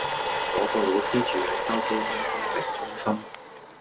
我個老師住喺筲箕灣新成中心